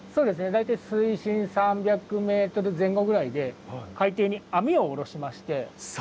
大体水深３００ｍ前後ぐらいで海底に網を下ろしまして。